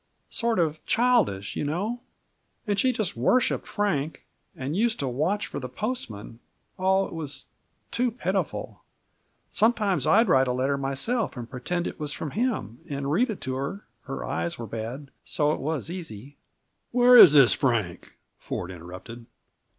Sort of childish, you know. And she just worshiped Frank, and used to watch for the postman oh, it was too pitiful! Sometimes I'd write a letter myself, and pretend it was from him, and read it to her; her eyes were bad, so it was easy " "Where was this Frank?" Ford interrupted.